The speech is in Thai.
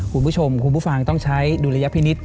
คุณผู้ชมคุณผู้ฟังต้องใช้ดุลยพินิษฐ